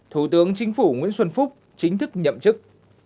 thủ tướng chính phủ nguyễn xuân phúc chính thức nhậm chức